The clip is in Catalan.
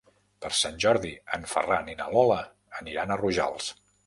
Per Sant Jordi en Ferran i na Lola aniran a Rojals.